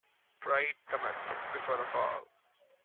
Pride cometh before a fall.